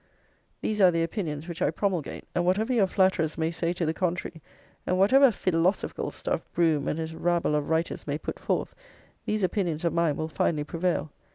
These are the opinions which I promulgate; and whatever your flatterers may say to the contrary, and whatever feelosofical stuff Brougham and his rabble of writers may put forth, these opinions of mine will finally prevail.